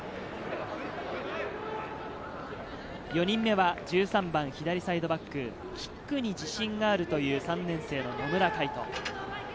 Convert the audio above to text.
４人目は１３番の左サイドバック、キックに自信があるという３年生の野村海翔。